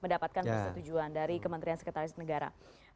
mendapatkan persetujuan dari kementerian sekretaris negara